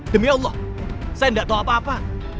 demi allah saya tidak tahu apa apa